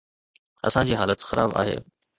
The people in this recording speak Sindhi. اسان جي حالت خراب آهي.